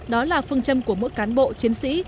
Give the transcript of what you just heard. đó là phương châm của mỗi cán bộ chiến sĩ